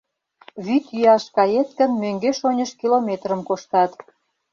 Вӱд йӱаш кает гын, мӧҥгеш-оньыш километрым коштат.